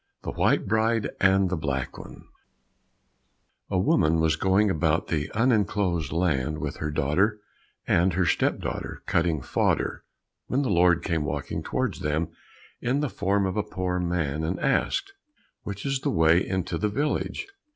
135 The White Bride and the Black One A woman was going about the unenclosed land with her daughter and her step daughter cutting fodder, when the Lord came walking towards them in the form of a poor man, and asked, "Which is the way into the village?"